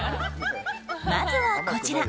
まずはこちら。